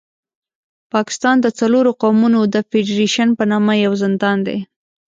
پاکستان د څلورو قومونو د فېډرېشن په نامه یو زندان دی.